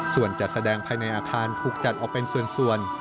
ส่วนจัดแสดงภายในอาคารถูกจัดออกเป็นส่วน